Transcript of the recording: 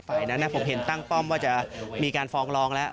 ฝ่ายนั้นผมเห็นตั้งป้อมว่าจะมีการฟ้องร้องแล้ว